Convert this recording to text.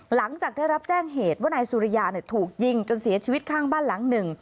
หลังจากได้รับแจ้งเหตุว่านายสุริยาถูกยิงจนเสียชีวิตข้างบ้านหลังหนึ่ง